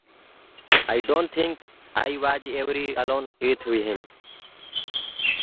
I don't think that I was ever alone with him.